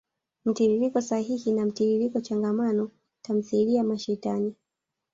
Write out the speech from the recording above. mtiririko sahili na mtiririko changamano. Tamthilia ya mashetani.